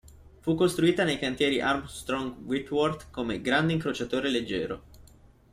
Fu costruita nei cantieri Armstrong Whitworth come "grande incrociatore leggero".